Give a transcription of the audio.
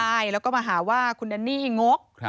ใช่แล้วก็มาหาว่าคุณแดนนี่งก